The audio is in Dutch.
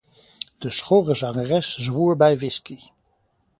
De schorre zangeres zwoer bij whisky.